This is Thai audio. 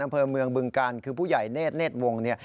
อำเภอเมืองบึงกันคือผู้ใหญ่เนธวง